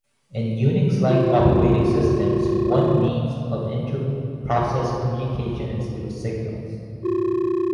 In Unix-like operating systems, one means of inter-process communication is through signals.